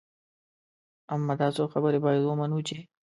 اما دا څو خبرې باید ومنو چې.